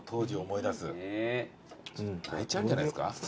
泣いちゃうんじゃないですか？